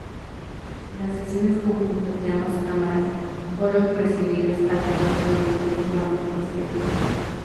Las sesiones conjuntas de ambas cámaras fueron presididas alternativamente por ambos presidentes.